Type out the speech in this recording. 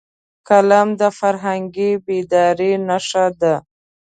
قلم د فرهنګي بیدارۍ نښه ده